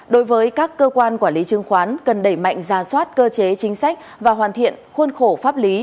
đối với các cơ quan quản lý chứng khoán cần đẩy mạnh ra soát cơ chế chính sách và hoàn thiện khuôn khổ pháp lý